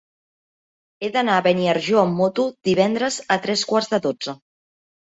He d'anar a Beniarjó amb moto divendres a tres quarts de dotze.